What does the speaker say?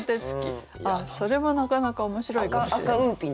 あっそれもなかなか面白いかもしれない。